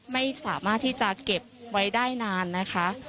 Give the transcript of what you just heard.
ไม่สามารถที่จะเก็บไว้ได้นานนะคะ